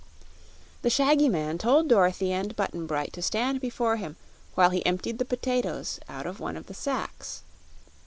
The shaggy man told Dorothy and Button Bright to stand before him while he emptied the potatoes out of one of the sacks.